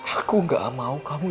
aku gak mau kamu